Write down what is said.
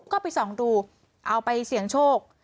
ก็ไปส่องดูเอาไปเสี่ยงโชค